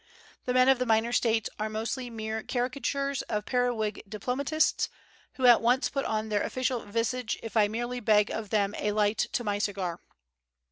The men of the minor States are mostly mere caricatures of periwig diplomatists, who at once put on their official visage if I merely beg of them a light to my cigar."